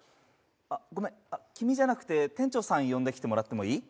あ、ごめん、君じゃなくて店長さん呼んできてもらっていい？